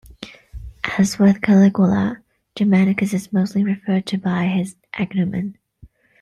As with Caligula, Germanicus is mostly referred to by his agnomen.